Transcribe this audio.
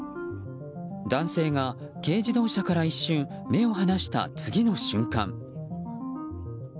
男性が軽自動車から一瞬目を離した次の瞬間。